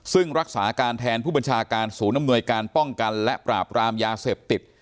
ซึ่งรักษาการแทนผู้บัญชาการศูนย์อำนวยการป้องกันและปราบรามยาเสพติด